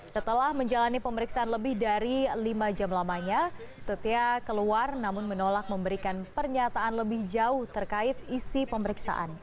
setelah menjalani pemeriksaan lebih dari lima jam lamanya setia keluar namun menolak memberikan pernyataan lebih jauh terkait isi pemeriksaan